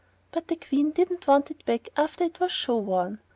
But the Queen didn't want it back after it was show worn.